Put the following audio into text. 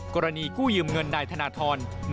กรณีกู้ยืมเงินดายธรรณฑล